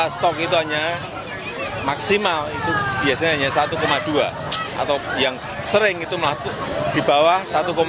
stok itu hanya maksimal itu biasanya hanya satu dua atau yang sering itu di bawah satu empat